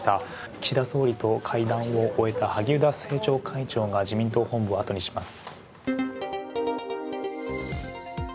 岸田総理と会談を終えた萩生田政調会長が自民党本部を後にします。